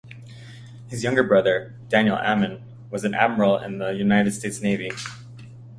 His younger brother, Daniel Ammen, was an admiral in the United States Navy.